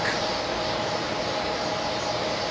ต้องเติมเนี่ย